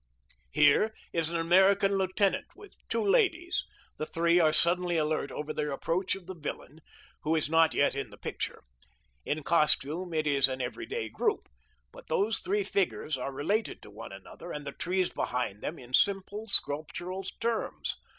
Here is an American lieutenant with two ladies. The three are suddenly alert over the approach of the villain, who is not yet in the picture. In costume it is an everyday group, but those three figures are related to one another, and the trees behind them, in simple sculptural terms.